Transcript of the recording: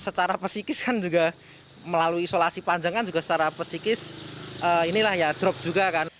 secara pesikis kan juga melalui isolasi panjang kan juga secara pesikis inilah ya drop juga kan